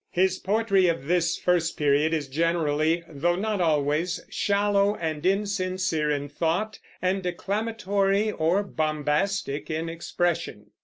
His poetry of this first period is generally, though not always, shallow and insincere in thought, and declamatory or bombastic in expression.